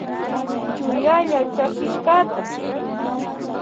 Chuyalla chakishkata